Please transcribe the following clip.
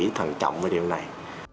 và quan trọng về điều này